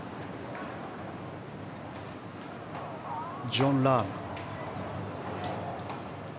ジョン・ラームです。